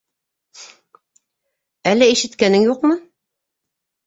Әллә ишеткәнең юҡмы?